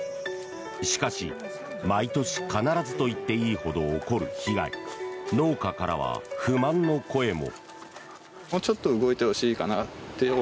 しかし、毎年必ずと言っていいほど起こる被害農家からは不満の声も。